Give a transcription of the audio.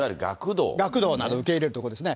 学童などを受け入れる所ですね。